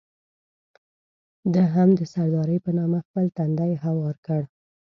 ده هم د سردارۍ په نامه خپل تندی هوار کړ.